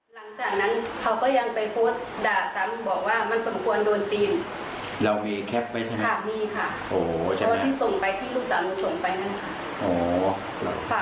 หลังจากนั้นเขาก็ยังไปโพสต์ด่าซ้ำ